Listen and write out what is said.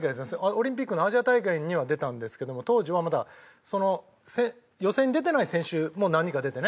オリンピックのアジア大会には出たんですけども当時はまだ予選に出てない選手も何人か出てね。